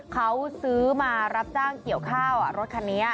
เขาซื้อมารับจ้างเกี่ยวข้าวรถคันนี้